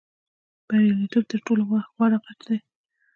بریالیتوب تر ټولو غوره غچ دی.